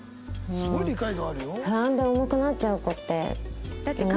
すごい理解度あるよ。